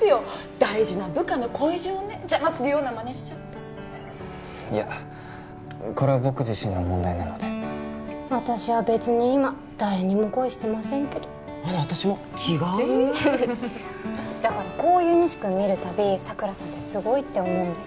大事な部下の恋路をね邪魔するようなまねしちゃっていやこれは僕自身の問題なので私は別に今誰にも恋してませんけどあら私も気が合うえだからこういう仁志君見るたび佐倉さんってすごいって思うんです